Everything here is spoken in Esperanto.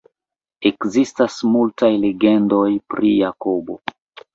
Ekzistas multaj legendoj pri Jakobo.